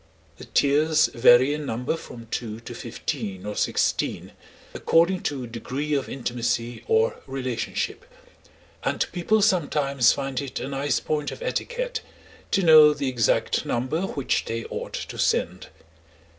The tears vary in number from two to fifteen or sixteen, according to degree of intimacy or relationship; and people sometimes find it a nice point of etiquette to know the exact number which they ought to send.